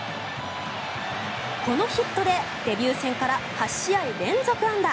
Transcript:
このヒットでデビュー戦から８試合連続安打。